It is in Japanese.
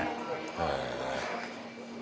へえ。